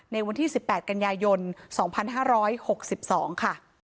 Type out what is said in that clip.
ในวันที่๑๘กันยายน๒๕๖๒ค่ะ